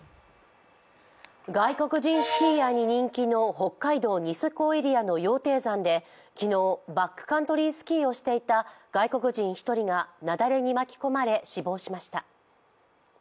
外国人スキーヤーに人気の北海道ニセコエリアの羊蹄山で昨日、バックカントリースキーをしていた外国人１人が雪崩に巻き込まれ死亡しました。